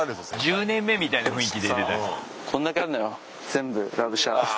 １０年目みたいな雰囲気出てた。